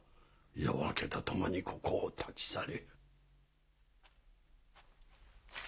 夜明けとともにここを立ち去れ。